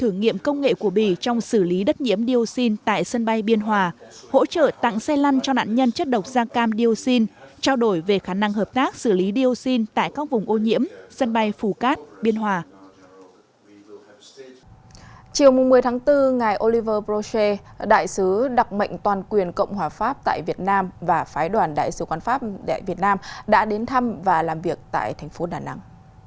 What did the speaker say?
ngài campendel boscher đại sứ đặc mệnh toàn quyền cộng hòa pháp tại việt nam và phái đoàn đại sứ quan pháp đại việt nam đã đến thăm và làm việc tại thành phố đà nẵng